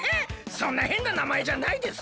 そんなへんななまえじゃないです。